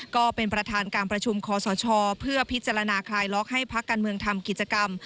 ก็เป็นประธานการประชุมคอสชเพื่อพิจารณาคลายล็อกให้พักการเมืองทำกิจกรรม